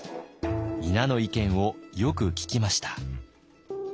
皆の意見をよく聞きました。